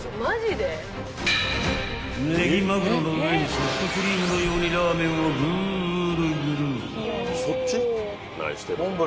［ねぎまぐろの上にソフトクリームのようにラーメンをぐーるぐる］